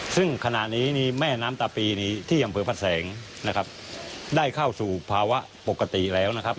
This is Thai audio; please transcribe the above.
ซึ่งขณะนี้นี่แม่น้ำตาปีนี้ที่อำเภอพระแสงนะครับได้เข้าสู่ภาวะปกติแล้วนะครับ